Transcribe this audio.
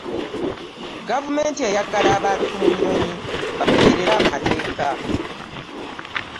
Gavumenti eyagala abantu mu nnyonyi bagoberere amateeka.